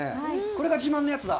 これが自慢のやつだ。